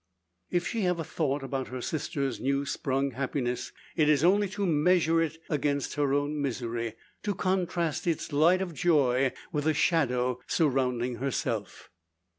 If she have a thought about her sister's new sprung happiness, it is only to measure it against her own misery to contrast its light of joy, with the shadow surrounding herself.